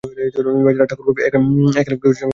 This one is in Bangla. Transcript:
বেচারা ঠাকুরপো একাল ঘেঁষে জন্মেছে বলেই ফাঁকিতে পড়ে গেছে।